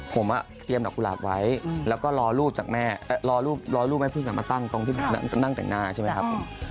ผมเตรียมหนักกุหลาบไว้แล้วก็รอรูปแม่เพื่อนกันมาตั้งตั้งแต่งหน้าใช่ไหมครับ